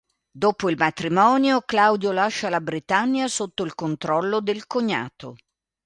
Dopo il matrimonio, Claudio lascia la Britannia sotto il controllo del cognato.